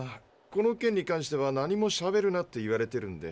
この件にかんしては「何もしゃべるな」って言われてるんで。